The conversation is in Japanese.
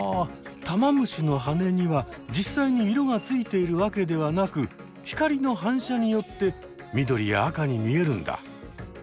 タマムシの羽には実際に色がついているわけではなく光の反射によって緑や赤に見えるんだ。